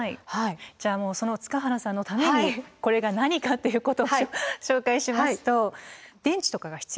じゃあもうその塚原さんのためにこれが何かっていうことを紹介しますと電池とかが必要ないんです。